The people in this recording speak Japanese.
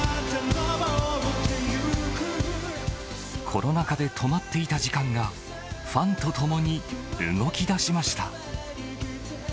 コロナ禍で止まっていた時間が、ファンと共に動きだしました。